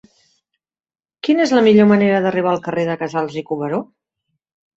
Quina és la millor manera d'arribar al carrer de Casals i Cuberó?